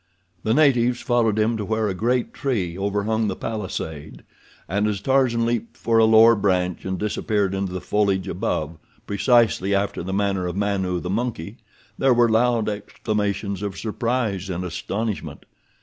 The natives followed him to where a great tree overhung the palisade, and as Tarzan leaped for a lower branch and disappeared into the foliage above, precisely after the manner of Manu, the monkey, there were loud exclamations of surprise and astonishment.